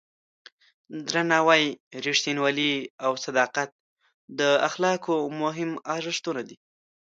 درناوی، رښتینولي او صداقت د اخلاقو مهم ارزښتونه دي.